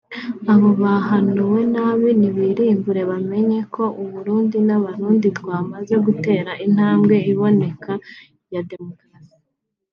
Abo bahanuwe nabi nibirimbure bamenye ko Uburundi n'Abarundi twamaze gutera intambwe iboneka ya demokarasi